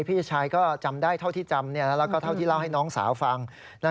พี่ชายก็จำได้เท่าที่จำแล้วก็เท่าที่เล่าให้น้องสาวฟัง